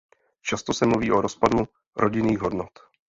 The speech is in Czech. Často se mluví o rozpadu rodinných hodnot.